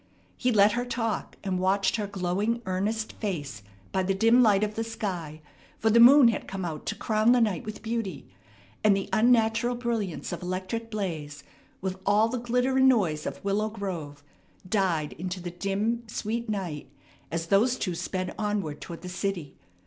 He let her talk, and watched her glowing, earnest face by the dim light of the sky; for the moon had come out to crown the night with beauty, and the unnatural brilliance of electric blaze, with all the glitter and noise of Willow Grove, died into the dim, sweet night as those two sped onward toward the city.